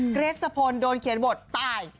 เกรสสะพลโดนเขียนบทตาย